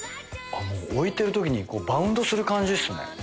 置いてるときにバウンドする感じっすね。